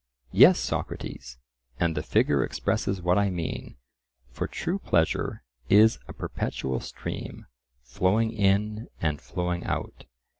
"Yes, Socrates, and the figure expresses what I mean. For true pleasure is a perpetual stream, flowing in and flowing out.